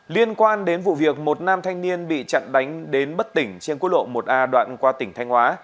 liên quan đến vụ việc một nam thanh niên bị chặn đánh đến bất tỉnh trên quốc lộ một a đoạn qua tỉnh thanh hóa